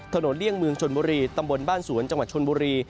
เลี่ยงเมืองชนบุรีตำบลบ้านสวนจังหวัดชนบุรี